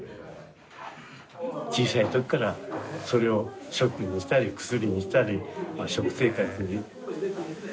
小さいときからそれを食にしたり薬にしたりまあ食生活に利用しとったからね。